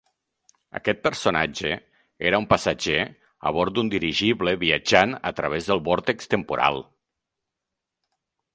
Aquest personatge era un passatger a bord d'un dirigible viatjant a través del vòrtex temporal.